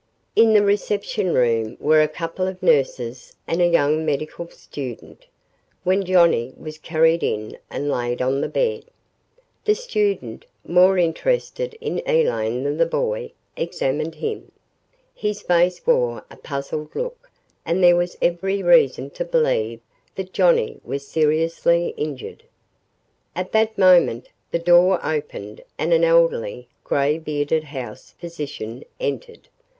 In the reception room were a couple of nurses and a young medical student, when Johnnie was carried in and laid on the bed. The student, more interested in Elaine than the boy, examined him. His face wore a puzzled look and there was every reason to believe that Johnnie was seriously injured. At that moment the door opened and an elderly, gray bearded house physician entered.